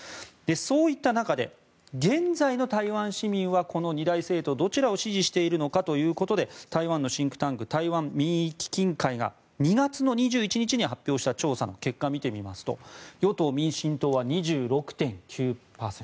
そういった中で現在の台湾市民はこの二大政党のどちらを支持しているのかということで台湾のシンクタンク台湾民意基金会が２月の２１日に発表した調査の結果を見てみますと与党・民進党は２６．９％。